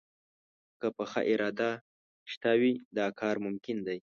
که پخه اراده شته وي، دا کار ممکن دی